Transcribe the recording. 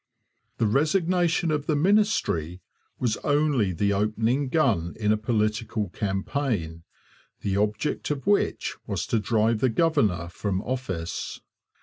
The resignation of the ministry was only the opening gun in a political campaign, the object of which was to drive the governor from office.